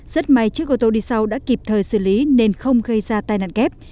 rất may chiếc ô tô đi sau đã kịp thời xử lý nên không gây ra tai nạn kép